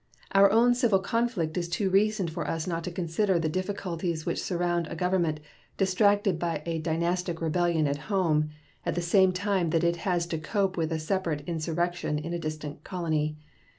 Our own civil conflict is too recent for us not to consider the difficulties which surround a government distracted by a dynastic rebellion at home at the same time that it has to cope with a separate insurrection in a distant colony.